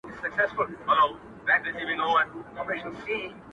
تا بدرنگۍ ته سرټيټی په لېونتوب وکړ _